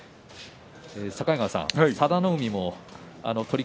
境川さん、佐田の海も取組